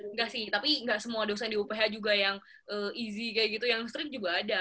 enggak sih tapi nggak semua dosen di uph juga yang easy kayak gitu yang stream juga ada